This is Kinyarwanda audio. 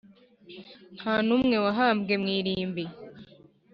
nta n’umwe wahambwe mw’irimbi